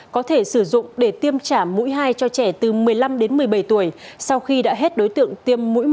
có thể sử dụng để tiêm trả mũi hai cho trẻ từ một mươi năm đến một mươi bảy tuổi sau khi đã hết đối tượng tiêm mũi một